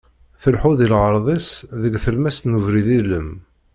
Tleḥḥu di lɣerḍ-is deg tlemmast n ubrid ilem.